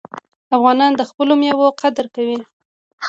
افغانان د خپلو میوو قدر کوي.